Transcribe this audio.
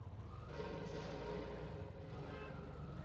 巨型羽翅鲎则发现于维吉尼亚州。